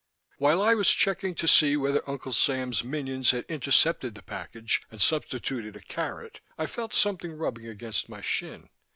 While I was checking to see whether Uncle Sam's minions had intercepted the package and substituted a carrot, I felt something rubbing against my shin.